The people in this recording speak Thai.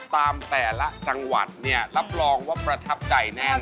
แต่ละจังหวัดเนี่ยรับรองว่าประทับใจแน่นอน